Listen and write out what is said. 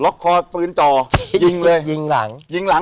ล็อกคอปืนจอยิงเลย